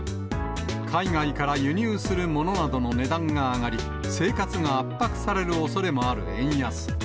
海外から輸入するものなどの値段が上がり、生活が圧迫されるおそれがある円安。